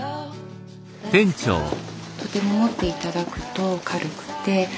とても持って頂くと軽くて。